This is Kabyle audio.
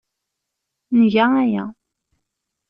Nga aya.